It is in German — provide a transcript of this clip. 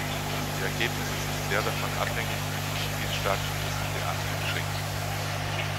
Die Ergebnisse sind sehr davon abhängig, wie die Mitgliedstaaten diesen Beachtung schenken.